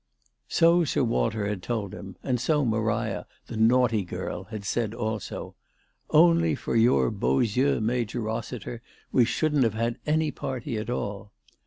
So Sir Walter had told him, and so Maria, the naughty girl, had said also " Only for your beaux yeux, Major Eossiter, we shouldn't have had any party at all."